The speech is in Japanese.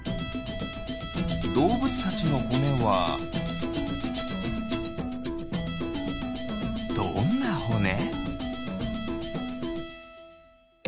どうぶつたちのほねはどんなほね？